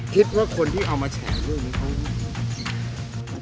คิดว่าคนที่เอามาแฉเรื่องนี้เขา